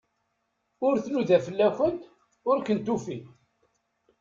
Ur tnuda fell-akent, ur kent-tufi.